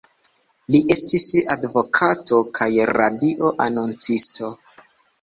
Li estis advokato kaj radio-anoncisto.